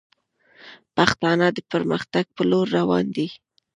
پښتانه د پرمختګ پر لور روان دي